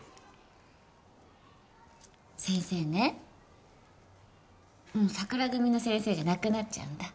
先生ねもうさくら組の先生じゃなくなっちゃうんだ。